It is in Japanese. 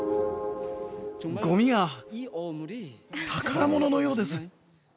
ごみが、宝物のようです。